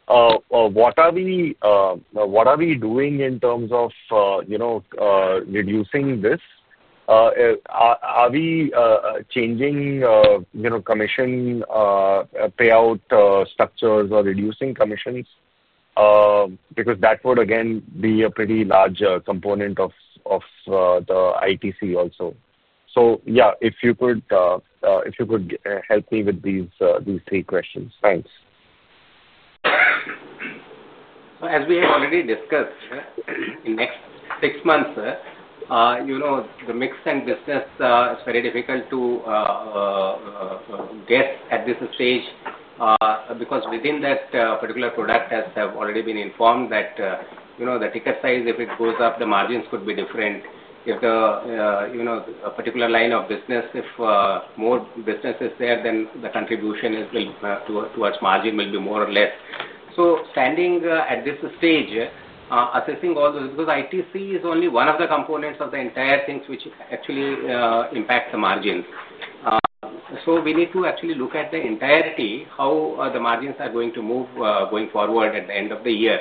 what are we doing in terms of reducing this? Are we changing commission payout structures or reducing commissions? Because that would, again, be a pretty large component of the ITC also. Yeah, if you could help me with these three questions. Thanks. As we have already discussed, in the next six months, the mix and business is very difficult to guess at this stage because within that particular product, as I have already been informed, the ticket size, if it goes up, the margins could be different. If the particular line of business, if more business is there, then the contribution towards margin will be more or less. Standing at this stage, assessing all those because ITC is only one of the components of the entire things which actually impacts the margins. We need to actually look at the entirety, how the margins are going to move going forward at the end of the year.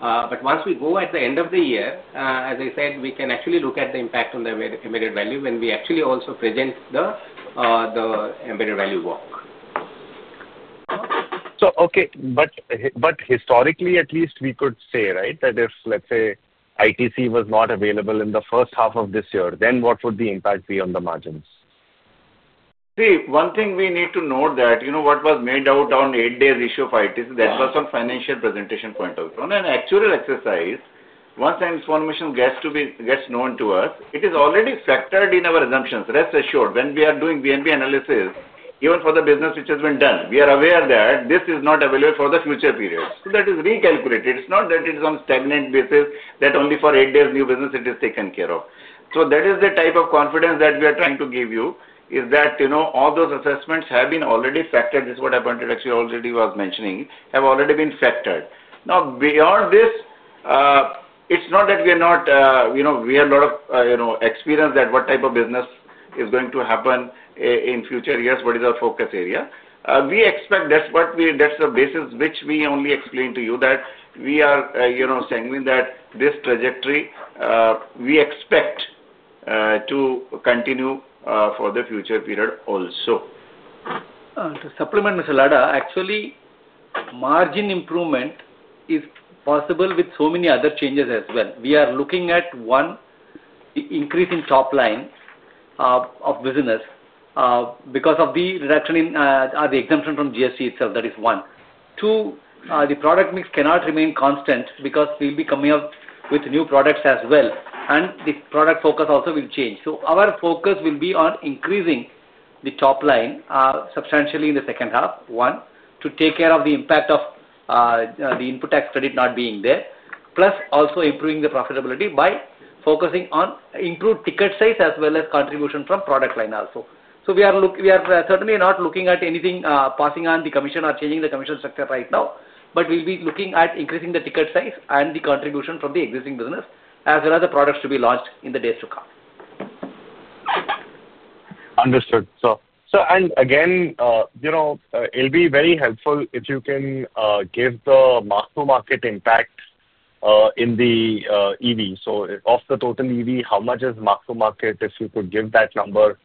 Once we go at the end of the year, as I said, we can actually look at the impact on the embedded value when we actually also present the embedded value walk. Historically, at least, we could say, right, that if, let's say, ITC was not available in the first half of this year, then what would the impact be on the margins? See, one thing we need to note is that what was made out on the eight-day issue of ITC, that was from a financial presentation point of view. On an actual exercise, once information gets known to us, it is already factored in our assumptions. Rest assured, when we are doing VNB analysis, even for the business which has been done, we are aware that this is not available for the future period. That is recalculated. It's not that it's on stagnant basis that only for eight days new business it is taken care of. That is the type of confidence that we are trying to give you, that all those assessments have already been factored. This is what I wanted to actually, already was mentioning, have already been factored. Now, beyond this, it's not that we are not. We have a lot of experience with what type of business is going to happen in future years, what is our focus area. We expect, that's the basis which we only explain to you, that we are saying that this trajectory, we expect to continue for the future period also. To supplement, Mr. Lada, actually, margin improvement is possible with so many other changes as well. We are looking at one, the increase in top line of business. Because of the reduction in the exemption from GST itself, that is one. Two, the product mix cannot remain constant because we will be coming up with new products as well, and the product focus also will change. Our focus will be on increasing the top line substantially in the second half, one, to take care of the impact of the input tax credit not being there, plus also improving the profitability by focusing on improved ticket size as well as contribution from product line also. We are certainly not looking at anything passing on the commission or changing the commission structure right now, but we will be looking at increasing the ticket size and the contribution from the existing business as well as the products to be launched in the days to come. Understood. Again, it will be very helpful if you can give the mark-to-market impact in the EV. So of the total EV, how much is mark-to-market if you could give that number.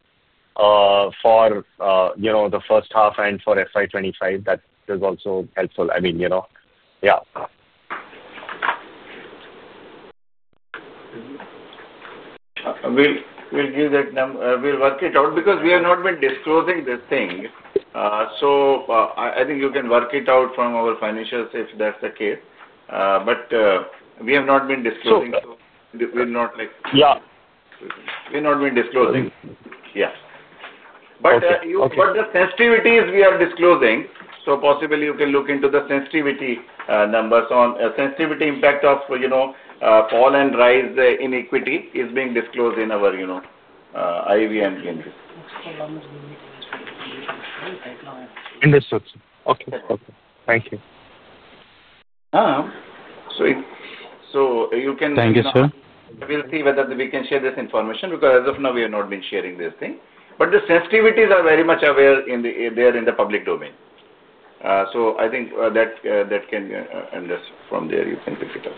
For the first half and for FY 2025? That is also helpful. I mean, yeah. We'll give that number. We'll work it out because we have not been disclosing this thing. I think you can work it out from our financials if that's the case. We have not been disclosing, so we'll not like. Yeah. We're not disclosing. Yeah. The sensitivities we are disclosing, so possibly you can look into the sensitivity numbers on sensitivity impact of fall and rise in equity is being disclosed in our IVM in this. Understood. Okay. Okay. Thank you. You can. Thank you, sir. We'll see whether we can share this information because as of now, we have not been sharing this thing. But the sensitivities are very much aware there in the public domain. I think that can be understood from there. You can pick it up.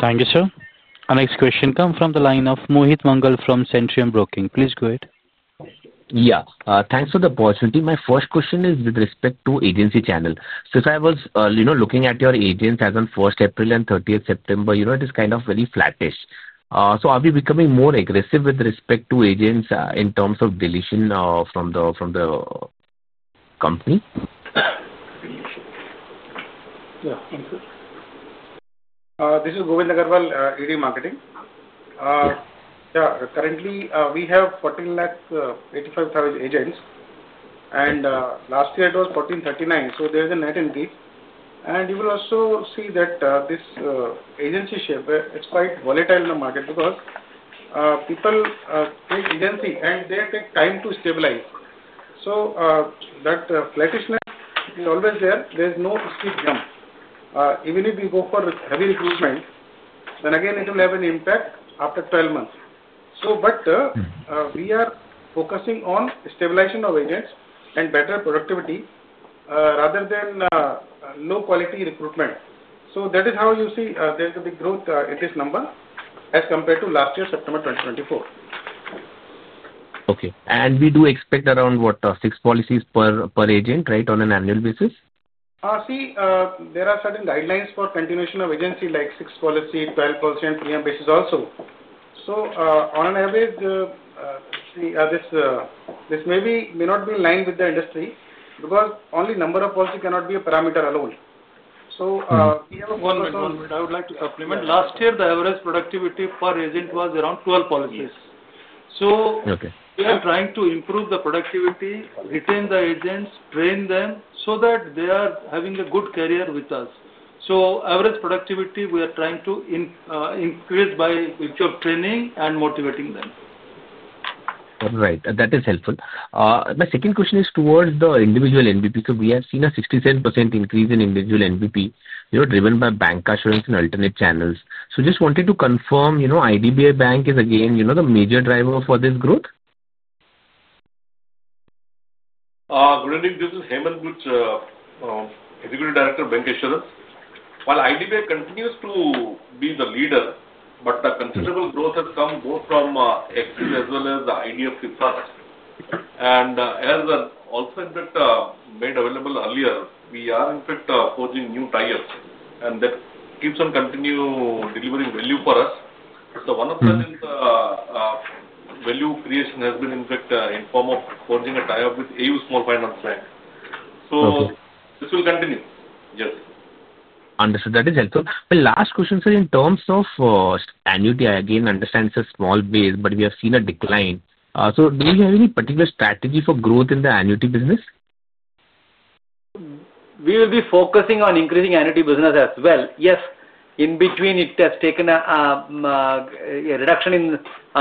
Thank you, sir. Our next question comes from the line of Mohit Mangal from Centrum Broking. Please go ahead. Yeah. Thanks for the opportunity. My first question is with respect to agency channel. If I was looking at your agents as on 1st April and 30th September, it is kind of very flattish. Are we becoming more aggressive with respect to agents in terms of deletion from the company? Yeah. Thank you. This is Govind Agarwal, ED Marketing. Yeah. Currently, we have 1,485,000 agents. Last year, it was 1,439,000. There is a net increase. You will also see that this agency shape, it is quite volatile in the market because people take agency and they take time to stabilize. That flattishness is always there. There is no steep jump. Even if we go for heavy recruitment, then again, it will have an impact after 12 months. We are focusing on stabilization of agents and better productivity rather than low-quality recruitment. That is how you see there is a big growth in this number as compared to last year, September 2024. Okay. We do expect around what, six policies per agent, right, on an annual basis? See, there are certain guidelines for continuation of agency, like six policy, 12% PM basis also. On average, this may not be in line with the industry because only number of policies cannot be a parameter alone. We have a focus. One moment. I would like to supplement. Last year, the average productivity per agent was around 12 policies. We are trying to improve the productivity, retain the agents, train them so that they are having a good career with us. So average productivity, we are trying to increase by way of training and motivating them. All right. That is helpful. My second question is towards the individual MVP because we have seen a 67% increase in individual MVP driven by Bancassurance and Alternate Channels. Just wanted to confirm, IDBI Bank is again the major driver for this growth? Good evening. This is Hemant Buch, Executive Director of Bancassurance. While IDBI continues to be the leader, considerable growth has come both from existing as well as IDBI itself. As also in fact made available earlier, we are in fact forging new ties. That keeps on continuing delivering value for us. One of them is. Value creation has been in fact in form of forging a tie-up with AU Small Finance Bank. This will continue. Yes. Understood. That is helpful. My last question, sir, in terms of annuity, I again understand it is a small base, but we have seen a decline. Do we have any particular strategy for growth in the annuity business? We will be focusing on increasing annuity business as well. Yes. In between, it has taken a reduction in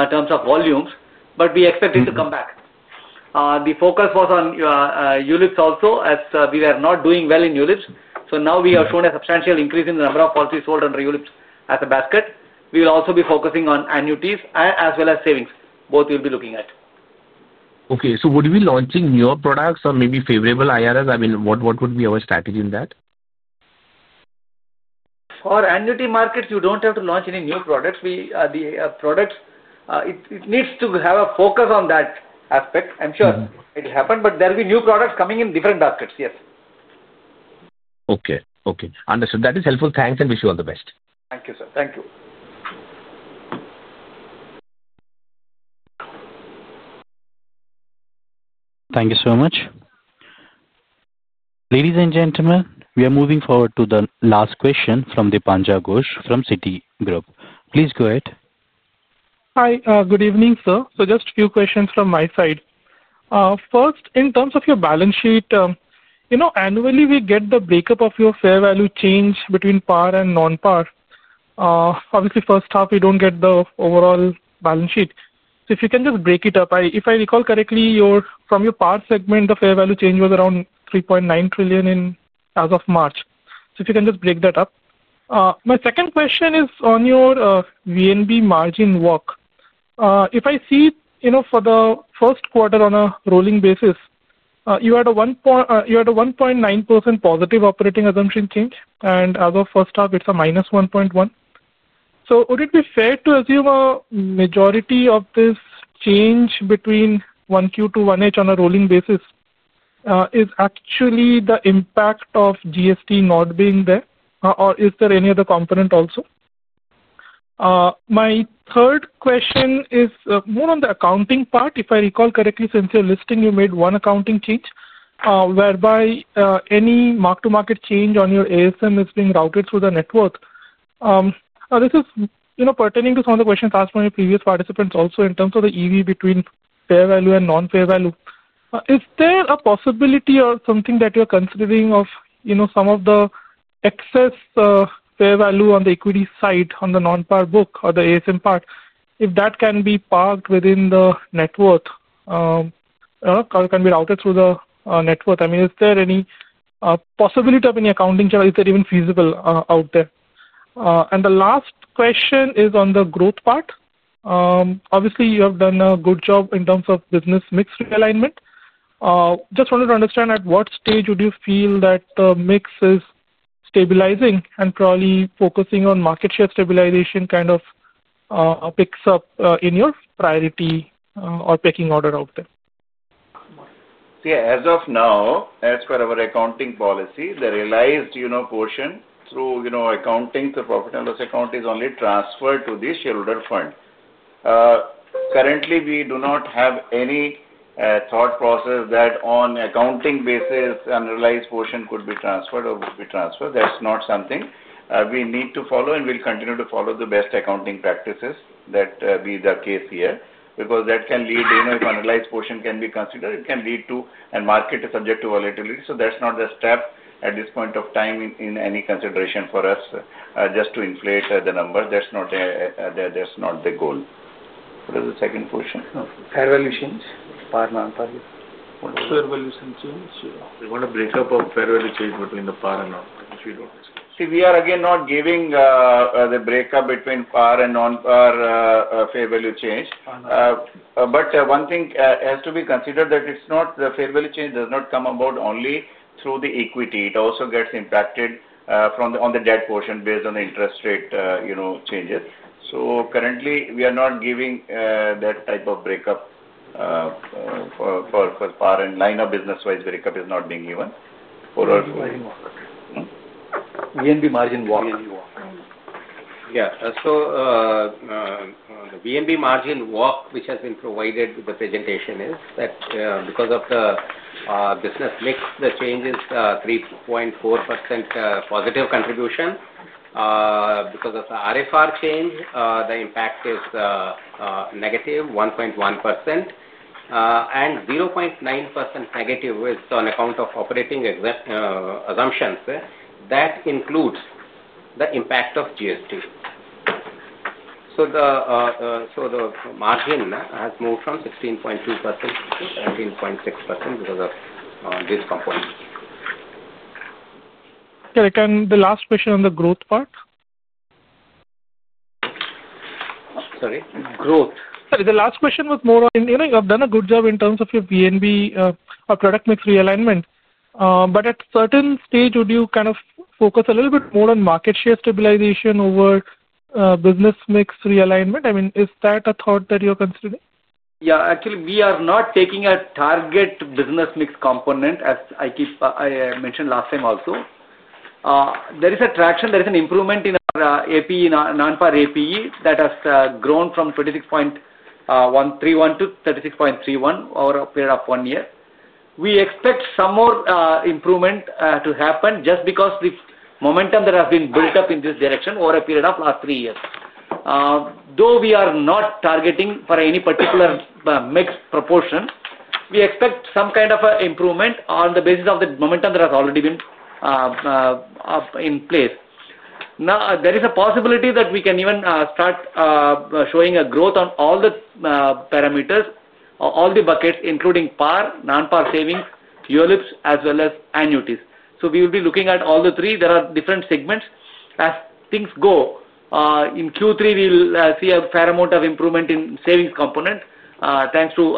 terms of volumes, but we expect it to come back. The focus was on ULIPs also, as we were not doing well in ULIPs. Now we are showing a substantial increase in the number of policies sold under ULIPs as a basket. We will also be focusing on annuities as well as savings. Both we will be looking at. Okay. Would we be launching newer products or maybe favorable IRS? I mean, what would be our strategy in that? For annuity markets, you do not have to launch any new products. The products, it needs to have a focus on that aspect. I am sure it happened, but there will be new products coming in different baskets. Yes. Okay. Okay. Understood. That is helpful. Thanks, and wish you all the best. Thank you, sir. Thank you. Thank you so much. Ladies and gentlemen, we are moving forward to the last question from Deepanja Ghosh from Citi Group. Please go ahead. Hi. Good evening, sir. Just a few questions from my side. First, in terms of your balance sheet, annually, we get the breakup of your fair value change between PAR and non-PAR. Obviously, first half, we do not get the overall balance sheet. If you can just break it up. If I recall correctly, from your PAR segment, the fair value change was around 3.9 trillion as of March. If you can just break that up. My second question is on your VNB margin walk. If I see for the first quarter on a rolling basis, you had a 1.9% positive operating assumption change, and as of first half, it is a -1.1%. Would it be fair to assume a majority of this change between 1Q to 1H on a rolling basis is actually the impact of GST not being there, or is there any other component also? My third question is more on the accounting part. If I recall correctly, since your listing, you made one accounting change whereby any mark-to-market change on your ASM is being routed through the net worth. This is pertaining to some of the questions asked by previous participants also in terms of the EV between fair value and non-fair value. Is there a possibility or something that you're considering of some of the excess fair value on the equity side on the non-PAR book or the ASM part, if that can be parked within the net worth or can be routed through the net worth? I mean, is there any possibility of any accounting challenge? Is that even feasible out there? The last question is on the growth part. Obviously, you have done a good job in terms of business mix realignment. Just wanted to understand at what stage would you feel that the mix is stabilizing and probably focusing on market share stabilization kind of picks up in your priority or pecking order out there? Yeah. As of now, as per our accounting policy, the realized portion through accounting, the profit and loss account, is only transferred to the shareholder fund. Currently, we do not have any thought process that on accounting basis, analyzed portion could be transferred or would be transferred. That's not something we need to follow, and we'll continue to follow the best accounting practices that be the case here because that can lead, if analyzed portion can be considered, it can lead to, and market is subject to volatility. That's not the step at this point of time in any consideration for us just to inflate the number. That's not the goal. What is the second question? Fair value change? PAR, non-PAR? Fair value change. We want a break up of fair value change between the PAR and non-PAR if you don't discuss. See, we are again not giving the breakup between PAR and non-PAR fair value change. One thing has to be considered is that the fair value change does not come about only through the equity. It also gets impacted on the debt portion based on the interest rate changes. Currently, we are not giving that type of breakup. For PAR and line of business-wise breakup is not being given for our VNB margin walk, VNB walk. The VNB margin walk which has been provided with the presentation is that because of the business mix, the change is 3.4% positive contribution. Because of the RFR change, the impact is -1.1%. And 0.9%- is on account of operating assumptions. That includes the impact of GST. The margin has moved from 16.2% to 17.6% because of this component. Can I take the last question on the growth part? Sorry? Growth. Sorry. The last question was more on you have done a good job in terms of your VNB product mix realignment. At a certain stage, would you kind of focus a little bit more on market share stabilization over business mix realignment? I mean, is that a thought that you're considering? Yeah. Actually, we are not taking a target business mix component, as I mentioned last time also. There is a traction. There is an improvement in our APE, non-PAR APE that has grown from 26.131% to 36.31% over a period of one year. We expect some more improvement to happen just because the momentum that has been built up in this direction over a period of the last three years. Though we are not targeting for any particular. Mix proportion, we expect some kind of an improvement on the basis of the momentum that has already been in place. Now, there is a possibility that we can even start showing a growth on all the parameters, all the buckets, including PAR, non-PAR savings, ULIPs, as well as annuities. We will be looking at all the three. There are different segments. As things go, in Q3, we will see a fair amount of improvement in savings component thanks to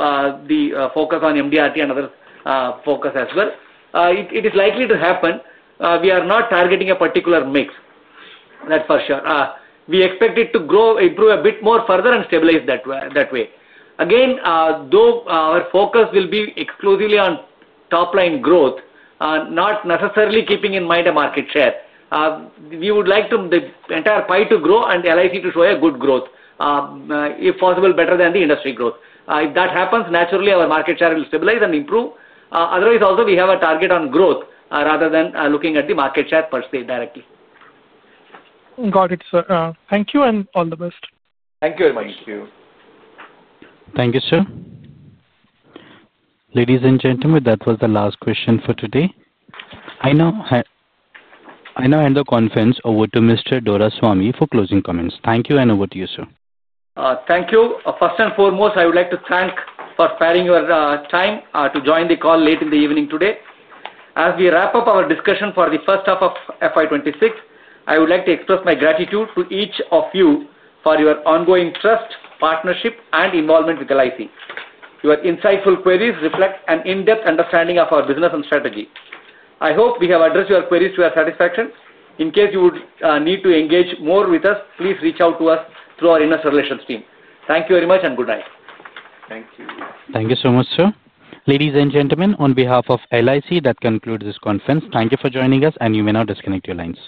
the focus on MDRT and other focus as well. It is likely to happen. We are not targeting a particular mix, that's for sure. We expect it to grow, improve a bit more further, and stabilize that way. Again, though our focus will be exclusively on top-line growth, not necessarily keeping in mind a market share. We would like the entire PI to grow and LIC to show a good growth. If possible, better than the industry growth. If that happens, naturally, our market share will stabilize and improve. Otherwise, also, we have a target on growth rather than looking at the market share per se directly. Got it, sir. Thank you and all the best. Thank you very much. Thank you. Thank you, sir. Ladies and gentlemen, that was the last question for today. I now hand the conference over to Mr. Doraiswamy for closing comments. Thank you, and over to you, sir. Thank you. First and foremost, I would like to thank for sparing your time to join the call late in the evening today. As we wrap up our discussion for the first half of FY 2026, I would like to express my gratitude to each of you for your ongoing trust, partnership, and involvement with LIC. Your insightful queries reflect an in-depth understanding of our business and strategy. I hope we have addressed your queries to your satisfaction. In case you would need to engage more with us, please reach out to us through our Inner Circulations team. Thank you very much, and good night. Thank you. Thank you so much, sir. Ladies and gentlemen, on behalf of LIC, that concludes this conference. Thank you for joining us, and you may now disconnect your lines.